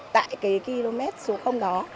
tại cái km số đó